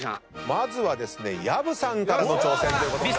まずはですね薮さんからの挑戦となります。